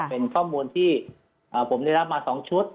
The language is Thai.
เป็นข้อมูลที่ผมได้รับมา๒ชุด